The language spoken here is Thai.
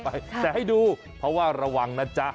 แต่ให้ดูรวังนะจ๊ะ